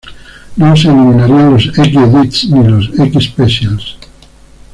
No se eliminan los X-Edits ni los X-specials.